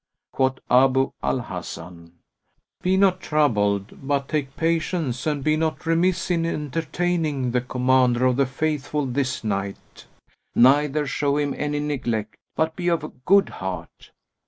Quoth Abu al Hasan, "Be not troubled but take patience and be not remiss in entertaining the Commander of the Faithful this night, neither show him any neglect, but be of good heart."